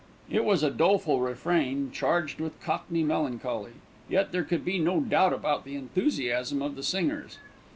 It was a doleful refrain, charged with cockney melancholy; yet there could be no doubt about the enthusiasm of the singers.